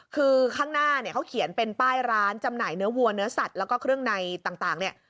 คือข้างหน้าเนี่ยเขาเขียนเป็นป้ายร้านจำหน่ายเนื้อวัวเนื้อสัตว์แล้วก็เครื่องในต่างเนี่ย